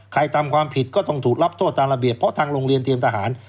ทำความผิดก็ต้องถูกรับโทษตามระเบียบเพราะทางโรงเรียนเตรียมทหาร